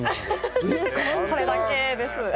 これだけです。